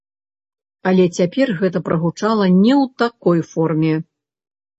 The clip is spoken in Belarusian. Але цяпер гэта прагучала не ў такой форме.